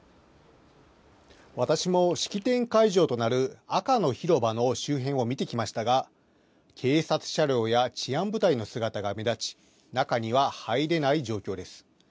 私も式典会場となる赤の広場の周辺を見てきましたが、警察車両や治安部隊の姿が目立ち、中には入れない状況です。